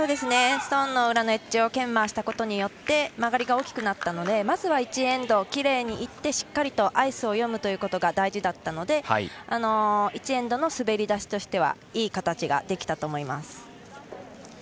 ストーンの裏のエッジを研磨したことによって曲がりが大きくなったのでまずは１エンドきれいにいってしっかりとアイスを読むことが大事だったので１エンドの滑り出しとしてはいい形ができたと思います。